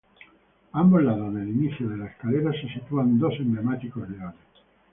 A ambos lados del inicio de la escalera se sitúan dos emblemáticos leones.